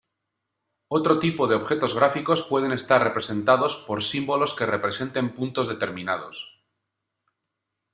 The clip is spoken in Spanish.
Otro tipo de objetos gráficos pueden estar representados por símbolos que representen puntos determinados.